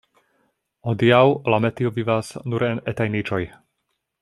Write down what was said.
Hodiaŭ la metio vivas nur en etaj niĉoj.